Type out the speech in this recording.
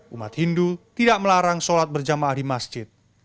umat hindu tidak melarang sholat berjamaah di masjid